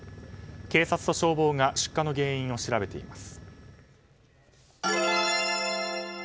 警察と消防が出火の原因を調べています。